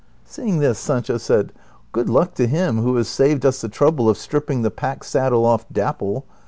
^ Seeing this Sancho said, " Good luck to him who has saved us the trouble of stripping the pack saddle off Dapple